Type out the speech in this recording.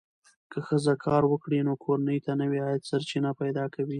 که ښځه کار وکړي، نو کورنۍ ته نوې عاید سرچینې پیدا کوي.